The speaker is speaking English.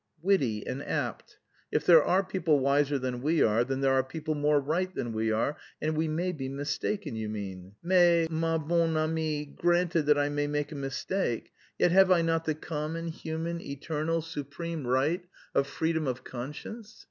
"Witty and apt. If there are people wiser than we are, then there are people more right than we are, and we may be mistaken, you mean? Mais, ma bonne amie, granted that I may make a mistake, yet have I not the common, human, eternal, supreme right of freedom of conscience?